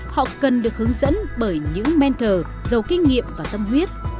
họ cần được hướng dẫn bởi những mentor giàu kinh nghiệm và tâm huyết